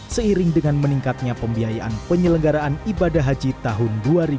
seiring dengan meningkatnya pembiayaan penyelenggaraan ibadah haji tahun dua ribu dua puluh